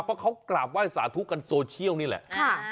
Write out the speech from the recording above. เพราะเขากราบไห้สาธุกันโซเชียลนี่แหละ